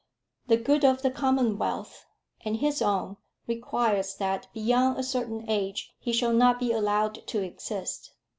The good of the commonwealth, and his own, requires that, beyond a certain age, he shall not be allowed to exist.